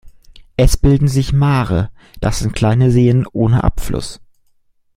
Es bilden sich Maare, das sind kleine Seen ohne Abfluss.